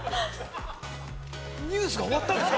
ニュースが終わったんですか？